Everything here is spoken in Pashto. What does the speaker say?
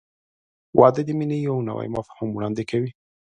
• واده د مینې یو نوی مفهوم وړاندې کوي.